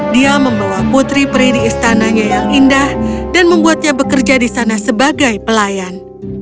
dia membawa putri pri di istananya yang indah dan membuatnya bekerja di sana sebagai pelayan